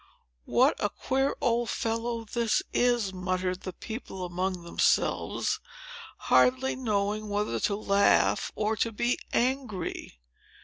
"What a queer old fellow this is!" muttered the people among themselves, hardly knowing whether to laugh or to be angry.